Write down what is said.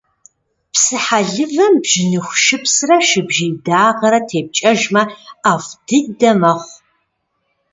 Псыхьэлывэм бжьыныху шыпсрэ шыбжий дагъэрэ тепкӏэжмэ, ӏэфӏ дыдэ мэхъу.